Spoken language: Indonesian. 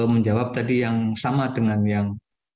menjawab tadi yang sama dengan yang